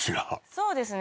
そうですね